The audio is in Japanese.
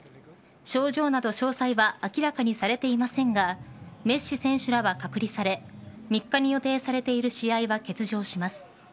症状など詳細は明らかにされていませんがメッシ選手らは隔離され３日に予定されている試合は欠場します。